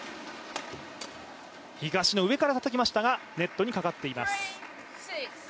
東野、上からたたきましたがネットにかかっています。